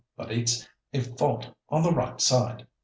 But it's a fault on the right side.